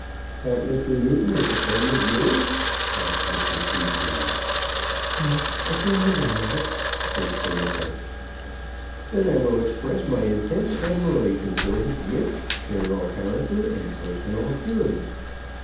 "That Mr. Newton is a friend of yours?" asked Mr. Poojean. "Yes; a friend of ours," said Clarissa. "Then I will express my intense admiration for his wit, general character, and personal appearance.